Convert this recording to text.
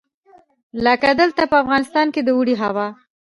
لکه دلته په افغانستان کې د اوړي هوا.